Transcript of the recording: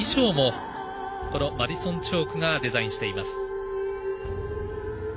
衣装もマディソン・チョークがデザインしています。